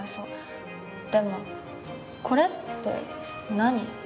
でもこれって何？